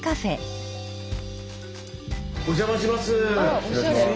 お邪魔します！